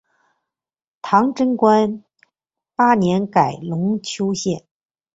唐贞观八年改龙丘县。